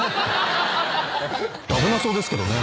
危なそうですけどね。